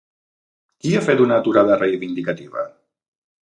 Qui ha fet una aturada reivindicativa?